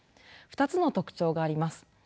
２つの特徴があります。